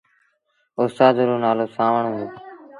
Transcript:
اُستآد رو نآلو سآݩوڻ هُݩدو۔